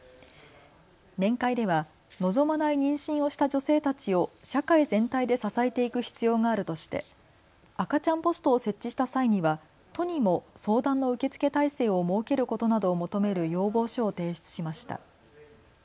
面会では望まない妊娠をした女性たちを社会全体で支えていく必要があるとして赤ちゃんポストを設置した際には都にも相談の受け付け体制を設けることなどを求める要望書を提出しました。